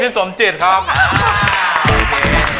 พี่สมจิตครับ